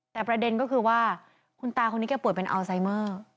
แต่ประเด็นก็คือว่าคุณตาคนนี้แกป่วยเป็นอัลไซเมอร์